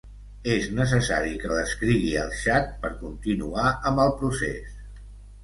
És necessari que l'escrigui al xat per continuar amb el procès.